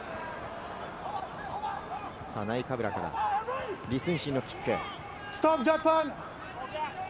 ナイカブラから李承信のキック。